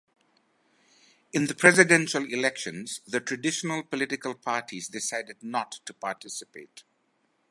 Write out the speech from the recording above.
In the presidential elections, the traditional political parties decided not to participate.